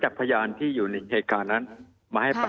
มีความรู้สึกว่ามีความรู้สึกว่ามีความรู้สึกว่า